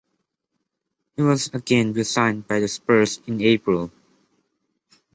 He was again re-signed by the Spurs, in April.